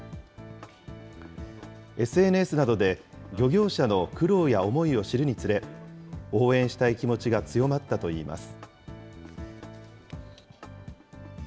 ＳＮＳなどで漁業者の苦労や思いを知るにつれ、応援したい気持ちが強まったといいます。